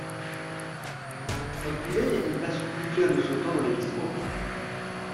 Un poulet, il passe le plus clair de son temps dans les bistrots.